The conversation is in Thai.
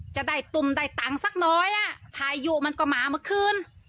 จะได้ตุ่มได้ตังค์สักน้อยอ่ะพายุมันก็มาเมื่อคืน